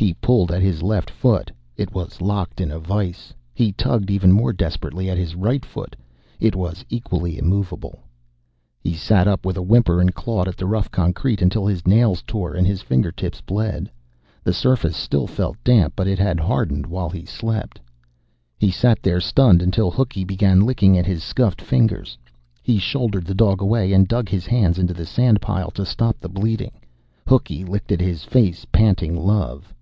He pulled at his left foot. It was locked in a vise. He tugged even more desperately at his right foot. It was equally immovable. He sat up with a whimper and clawed at the rough concrete until his nails tore and his fingertips bled. The surface still felt damp, but it had hardened while he slept. He sat there stunned until Hooky began licking at his scuffed fingers. He shouldered the dog away, and dug his hands into the sand pile to stop the bleeding. Hooky licked at his face, panting love.